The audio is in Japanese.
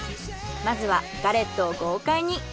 まずはガレットを豪快に。